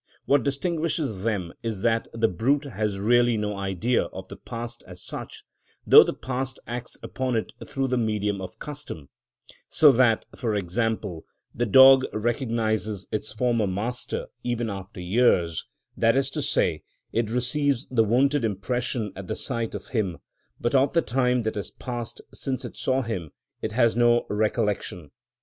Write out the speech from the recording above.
What distinguishes them is that the brute has really no idea of the past as such, though the past acts upon it through the medium of custom, so that, for example, the dog recognises its former master even after years, that is to say, it receives the wonted impression at the sight of him; but of the time that has passed since it saw him it has no recollection.